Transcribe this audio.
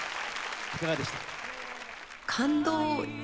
いかがでした？